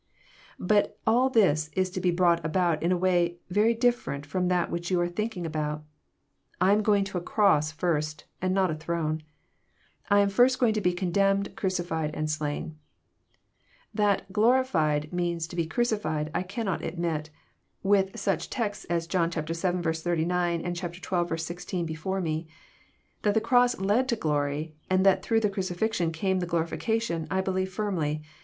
' But all this is to be brought about in a way very difi'erent from that which you are thinking about. I am going to a cross first, and not a throne. I am going first to be condemned, crucified, and slain. That glorified " means " to be crucified," I cannot admit, with such texts as John vii. 89 and xii. 16 before me. That the cross led to glory, and that through the crucifixion came the glorification, I believe firmly.